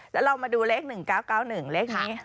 แล้วเรามาดูเลข๑๙๙๑เลขนี้